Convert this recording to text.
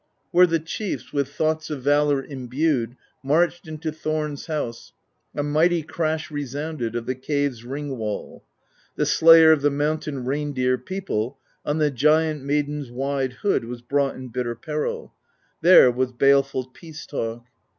Where the chiefs, with thoughts of valor Imbued, marched into Thorn's house, A mighty crash resounded Of the cave's ring wall; the slayer Of the mountain reindeer people On the giant maiden's wide hood Was brought in bitter peril: There was baleful peace talk.